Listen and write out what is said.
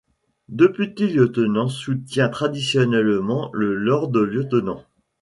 Deputy Lieutenants soutien traditionnellement le lord lieutenant.